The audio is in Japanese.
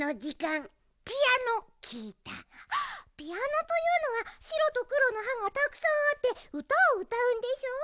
「ピアノ」というのはしろとくろのはがたくさんあってうたをうたうんでしょう？